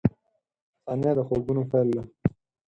• ثانیه د خوبونو پیل دی.